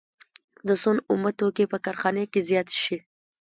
د سون اومه توکي په کارخانه کې زیات شي